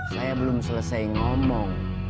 saya belum selesai ngomong